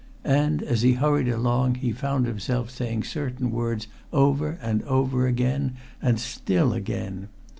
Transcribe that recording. And as he hurried along he found himself saying certain words over and over again, and still again....